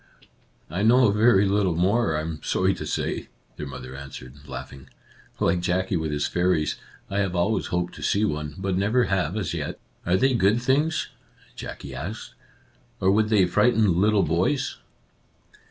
" I know very little more, I am sorry to say," their mother answered, laughing. " Like Jackie with his fairies, I have always hoped to see one, but never have as yet." "Are they good things ?" Jackie asked, " or would they frighten little boys